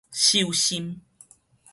獸心